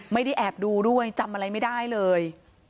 ไม่ได้แอบดูด้วยจำอะไรไม่ได้เลย